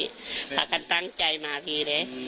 ไม่ว่ากันตั้งใจมาพี่